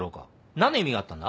何の意味があったんだ？